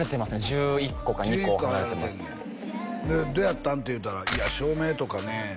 １１個離れてんねんでどうやったん？って言うたら「いや照明とかね」